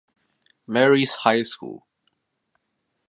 Mary's High School.